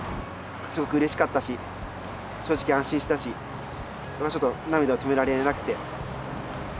すごくうれしかったし正直安心したし僕はちょっと涙を止められなくて。